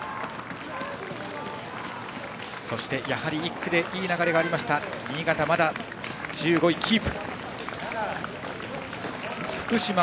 そして１区でいい流れがありました新潟、まだ１５位をキープ。